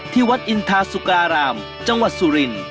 ที่วัดอินทาสุกรารามจังหวัดสุรินทร์